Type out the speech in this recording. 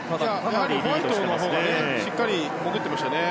ホワイトのほうがしっかり潜ってましたね。